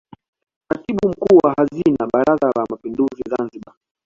Katibu Mkuu wa Hazina Baraza la Mapinduzi Zanzibar